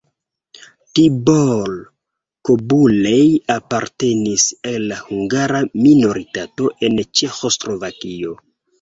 Tibor Kobulej apartenis al la hungara minoritato en Ĉeĥoslovakio.